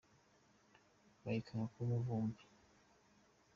Bayikanga kuba umuvumbi.